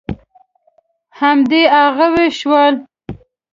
همدې هغوی شول.